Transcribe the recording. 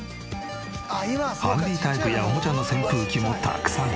ハンディータイプやおもちゃの扇風機もたくさん。